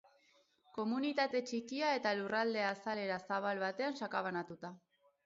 Komunitate txikia eta lurralde azalera zabal batean sakabanatuta.